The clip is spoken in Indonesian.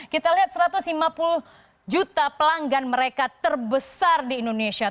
kita lihat satu ratus lima puluh juta pelanggan mereka terbesar di indonesia